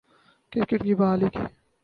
cricket کی بحالی کی